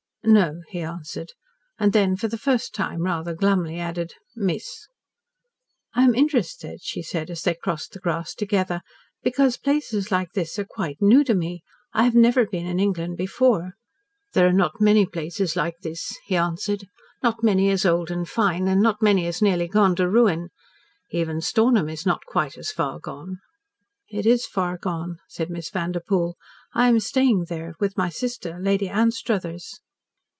"No," he answered, and then for the first time rather glumly added, "miss." "I am interested," she said, as they crossed the grass together, "because places like this are quite new to me. I have never been in England before." "There are not many places like this," he answered, "not many as old and fine, and not many as nearly gone to ruin. Even Stornham is not quite as far gone." "It is far gone," said Miss Vanderpoel. "I am staying there with my sister, Lady Anstruthers."